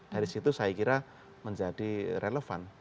dari situ saya kira menjadi relevan